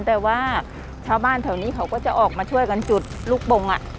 แต่ว่าชาวบ้านแถวนี้เขาก็จะออกมาช่วยกันจุดลูกปง